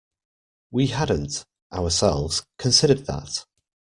We hadn't, ourselves, considered that.